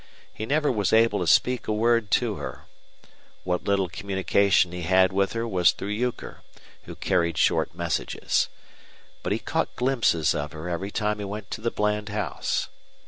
He never was able to speak a word to her. What little communication he had with her was through Euchre, who carried short messages. But he caught glimpses of her every time he went to the Bland house.